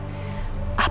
apa sebenarnya ibu